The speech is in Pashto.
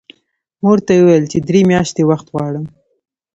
مور ته یې وویل چې درې میاشتې وخت غواړم